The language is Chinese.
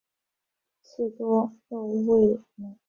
刺多肉味美。